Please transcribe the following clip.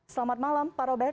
selamat malam pak robert